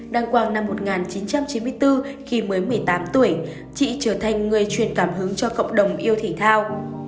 đăng quang năm một nghìn chín trăm chín mươi bốn khi mới một mươi tám tuổi chị trở thành người truyền cảm hứng cho cộng đồng yêu thể thao